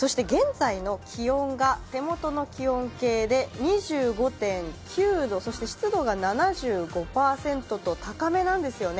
そして現在の気温が、手元の気温計で２５．９度、そして湿度が７５％と高めなんですよね。